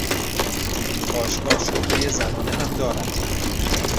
این باشگاه شعبهی زنانه هم دارد.